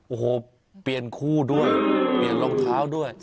โอ้โหเปลี่ยนคู่ด้วยเปลี่ยนรองเท้าด้วย